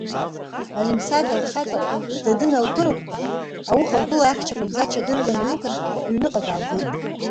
Аримсада лхаҵа даныналԥырҳәҳәа, ауха лгәыла ахьча Қәабзач адырра наилҭан, лыҩыҟа даалгеит.